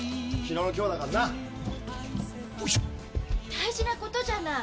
「大事なことじゃない！